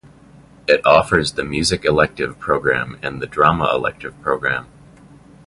It offers the Music Elective Programme and the Drama Elective Programme.